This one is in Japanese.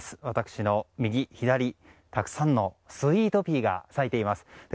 私の右、左たくさんのスイートピーが咲いています。